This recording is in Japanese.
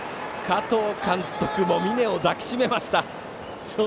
加藤監督も峯を抱きしめました。